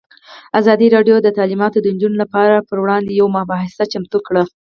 ازادي راډیو د تعلیمات د نجونو لپاره پر وړاندې یوه مباحثه چمتو کړې.